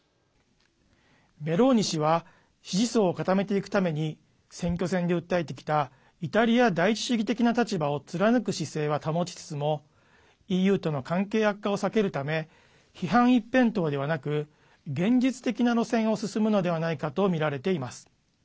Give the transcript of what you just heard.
メローニ氏は支持層を固めていくために選挙戦で訴えてきたイタリア第一主義的な立場を貫く姿勢は保ちつつもＥＵとの関係悪化を避けるため批判一辺倒ではなく現実的な路線を進むのではないかとみられています。